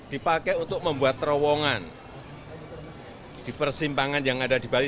dipakai untuk membuat terowongan di persimpangan yang ada di bali